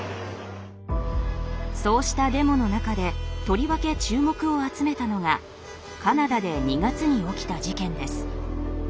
そうしたデモの中でとりわけ注目を集めたのがカナダで２月に起きた事件です。